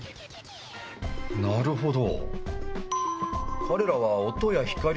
なるほど。